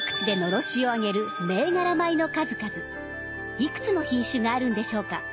いくつの品種があるんでしょうか？